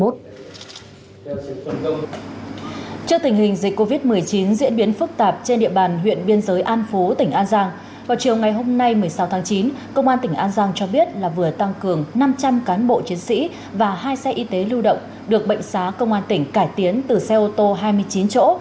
trước tình hình dịch covid một mươi chín diễn biến phức tạp trên địa bàn huyện biên giới an phú tỉnh an giang vào chiều ngày hôm nay một mươi sáu tháng chín công an tỉnh an giang cho biết là vừa tăng cường năm trăm linh cán bộ chiến sĩ và hai xe y tế lưu động được bệnh xá công an tỉnh cải tiến từ xe ô tô hai mươi chín chỗ